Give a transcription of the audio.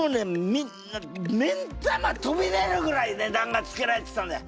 みんな目ん玉飛び出るぐらい値段がつけられてたんだよ。